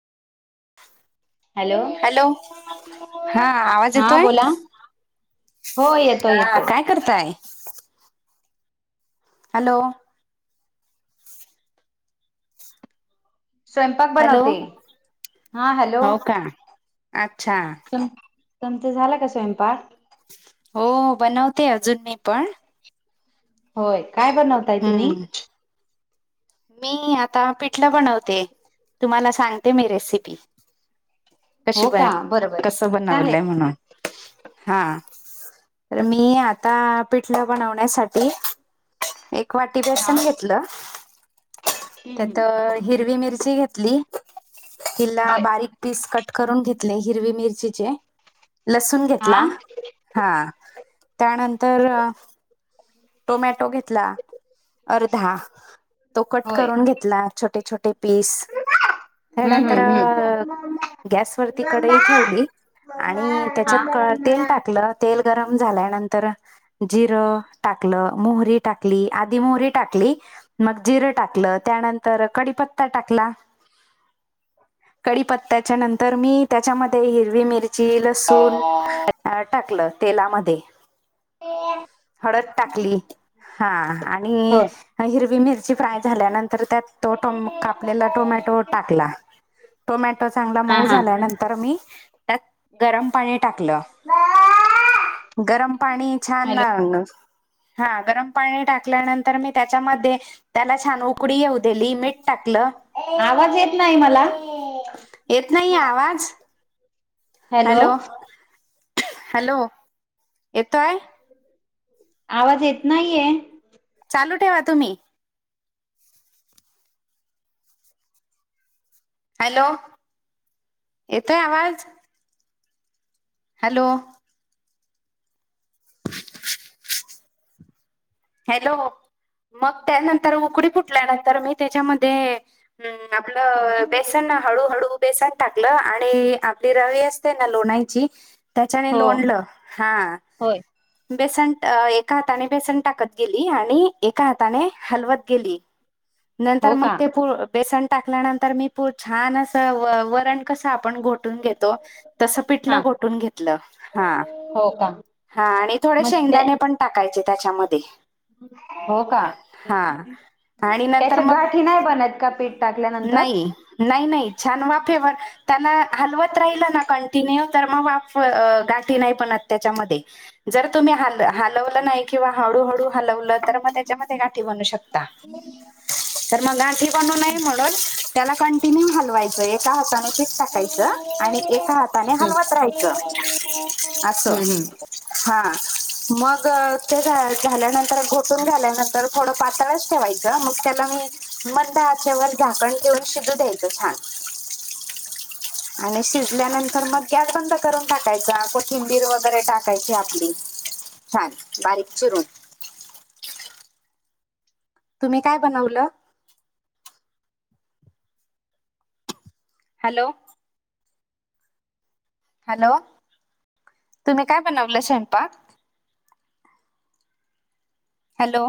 Hello हा आवाज हा येतोय बोला, हो येतोय. हा येतोय काय करताय? हॅलो! स्वयंपाक हॅलो बनवते,, हा हॅलो. हो का अच्छा ! तुम्हचा झाला का स्वयंपाक? हो, बनवते अजून मी पण, होय, काय बनव हम्म. मी आता पिठलं बनवते, तुम्हाला सांगते मी रेसिपी. कशी, हो कसं बन का बरोबर कस बनवलंय चालेल म्हणून, हा. तर मी आता पिठलं बनवण्यासाठी, एक वाटी हा बेसन घेतलं. हम्म त्यात हम्म हिरवी मिरची घेतली,, हिला होय बारीक पीस कट करून घेतले हिरवी मिरचीचे,, लसूण हा घेतला. हा त्यानंतर, टोमॅटो घेतला. अर्धा,, तो कट होय करून घेतला छोटे छोटे पीस, हम्म त्यानंतर हम्म गॅसवररती हम्म कडई ठेवली. आणि त्याच्यात तेल हा टाकलं,, तेल गरम झाल्यानंतर जिरं, टाकलं,, मोहरी टाकली, आधी मोहरी टाकली. मग जिरं टाकलं, त्यानंतर कडीपत्ता टाकला. कडी पत्त्याच्या नंतर मी त्याच्यामध्ये हिरवी मिर ची लसूण टाकलं तेलामध्ये. हो. हळद टाकली, हा आणि होय हिरवी मिरची फ्राय झाल्यानंतर त्यात तो टम कापलेला टोमॅटो टाकला. टोमॅटो चांगला हा मऊ हा झाल्यानंतर मी, त्यात गरम पाणी टाकलं,, गरम पाणी छान- हॅलो हा गरम पाणी टाकल्यानंतर मी त्याच्यामध्ये, त्याला छान उकळी येऊ देली. मीठ टाकलं,, आवाज येत नाही मला येत नाहीये आवाज? हॅलो हॅलो येतोय. आवाज येत नाहीये. चालू ठेवा तुम्ही. हॅलो! येतोय आवाज? हॅलो! हॅलो! मग त्यानंतर उकडळी फुटल्यानंतर मी त्याच्यामध्ये हम्म आपलं बेस हळूहळू बेसन टाकलं, आणि आपली रवी असते ना लोणायची त्याच्याने हो लोंनलं,, हा होय बेसन एका हाताने बेसन टाकत गेली आणि एका हाताने हलवत गेली. नंतर हो का मग ते पु बेसन टाकल्यानंतर मी पु छान असं व वरण कसं आपण घो टुन घेतो, तस हा पिठलं गोठून घेतलं, हा. हो का हा, आणि थोडे मग ते शेंगदाणे पण टाकायचे त्याच्यामध्ये. हो का,, हा आणि नंतर त्याच्या मग गाठी नाही बनत का पीठ? टाकल्यानंतर नाही. नाही नाही छान वाफेवर,,, त्यांना हलवत राहिल ना कंटिन्यू तर मग वा गाठी नाही बनत त्याच्या मध्ये, जर तुम्ही हल हलवले नाही किंवा हळूहळू हलवल तर मग त्याच्यामध्ये गाठी बनू शकता, मग गाठी बनु नये म्हणुन त्याला कंटिन्यु हलवायच, एका हाताने पिट टाकायच, आणि एका हाताने हम्म हलवत राहायचं अस. हम्म हम्म हां. मग ते झाल्यानंतर, घोटून घ्याल्यानंतर थोडं पातळच ठेवायचं मग त्याला मी मंद आचेवर झाकण ढेऊन शिजू द्यायचं छान. आणि शिजल्यानंतर मग गॅस बंद करून टाकायचा, कोथिंबीर वगैरे टाकायची आपली. छान बारीक चिरून. तुम्ही काय बनवलं? हॅलो! हॅलो! तुम्ही काय बनवलं स्वयंपाक? हॅलो!